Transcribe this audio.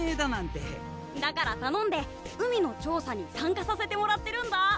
だから頼んで海の調査に参加させてもらってるんだ。